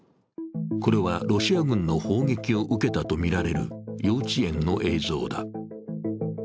これはロシア軍の砲撃を受けたとみられる幼稚園の映像だ。